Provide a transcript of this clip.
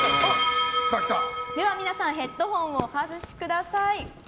では皆さんヘッドホンをお外しください。